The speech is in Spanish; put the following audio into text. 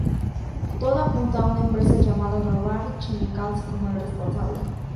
Todo apunta a una empresa llamada Global Chemicals como la responsable.